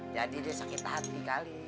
jadi dia sakit hati kali